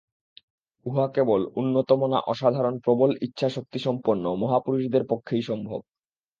উহা কেবল উন্নতমনা অসাধারণ প্রবল-ইচ্ছাশক্তিসম্পন্ন মহাপুরুষদের পক্ষেই সম্ভব।